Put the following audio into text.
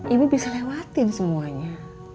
ibu bisa lewatin semuanya